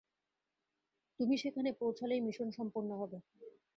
তুমি সেখানে পৌঁছালেই মিশন সম্পূর্ণ হবে।